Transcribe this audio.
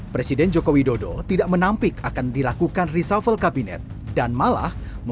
presiden jokowi dodo tidak menampik akan berlaku reshuffle